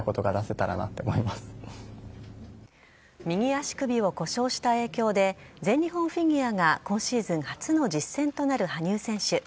右足首を故障した影響で全日本フィギュアが今シーズン初の実戦となる羽生選手。